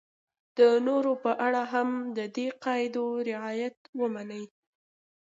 د نورو په اړه هم د دې قاعدو رعایت ومني.